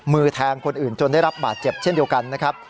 มือแทงคนอื่นจนได้รับบาดเจ็บเช่นเดียวกันนะครับ